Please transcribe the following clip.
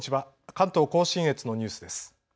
関東甲信越のニュースです。